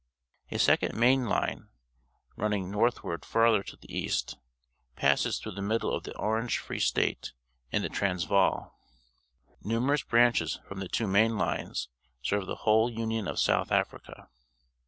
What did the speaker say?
A second main fine, running northward farther to the east, passes through the middle of the Orange Free State and the Transvaal. Numerous branches from the two main lines serve the whole Union of South Africa.